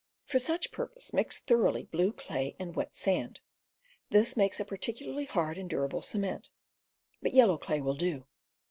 For such purpose, mix thoroughly blue clay and wet sand; this makes a particularly hard and durable cement, but yellow clay will do.